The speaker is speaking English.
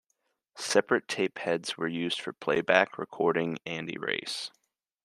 Separate tape heads were used for playback, recording, and erase.